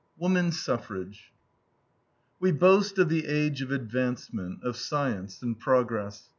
WOMAN SUFFRAGE We boast of the age of advancement, of science, and progress.